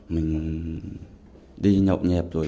mình đi nhậu nhẹp rồi